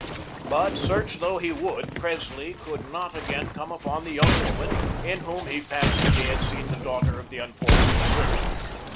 But search though he would, Presley could not again come upon the young woman, in whom he fancied he had seen the daughter of the unfortunate German.